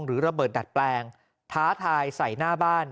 ระเบิดดัดแปลงท้าทายใส่หน้าบ้าน